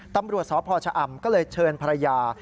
ตำรวจสพชะอำก็เลยเชิญภรรยา